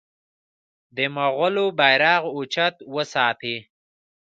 د مغولو بیرغ اوچت وساتي.